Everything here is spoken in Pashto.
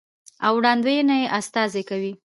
او وړاندوينو استازي کوي،